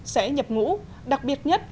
sẽ nhập ngũ đặc biệt nhất